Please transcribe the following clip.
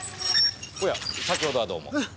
おや先程はどうも。